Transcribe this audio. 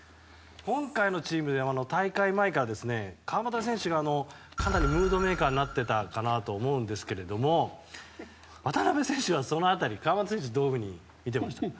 今回のチームでは大会前から川真田選手がかなりムードメーカーになってたかなと思うんですけど渡邊選手はその辺り、川真田選手どういうふうに見てましたか？